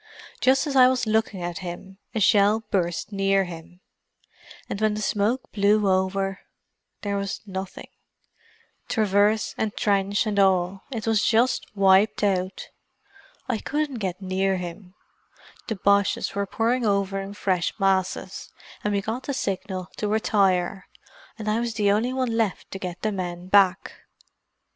Just as I was looking at him a shell burst near him: and when the smoke blew over there was nothing—traverse and trench and all, it was just wiped out. I couldn't get near him—the Boches were pouring over in fresh masses, and we got the signal to retire—and I was the only one left to get the men back.